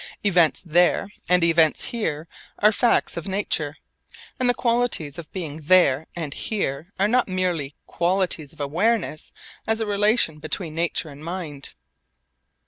Events there and events here are facts of nature, and the qualities of being 'there' and 'here' are not merely qualities of awareness as a relation between nature and mind.